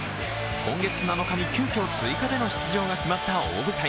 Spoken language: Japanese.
今月７日に急きょ、追加での出場が決まった大舞台。